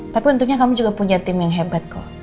tapi tentunya kamu juga punya tim yang hebat kok